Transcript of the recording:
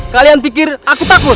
kalian pikir aku takut